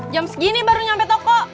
jam segini baru sampai toko